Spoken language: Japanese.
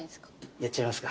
やっちゃいますか。